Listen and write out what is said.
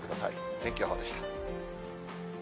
天気予報でした。